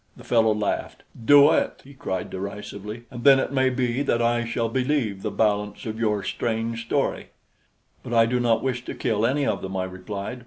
The fellow laughed. "Do it," he cried derisively, "and then it may be that I shall believe the balance of your strange story." "But I do not wish to kill any of them," I replied.